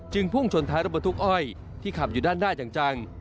พุ่งชนท้ายรถบรรทุกอ้อยที่ขับอยู่ด้านหน้าอย่างจัง